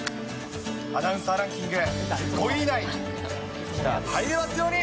アナウンサーランキング５位以内入れますように。